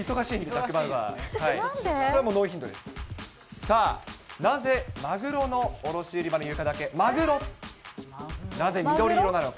さあ、なぜマグロの卸売場の床だけ、マグロ、なぜ緑色なのか。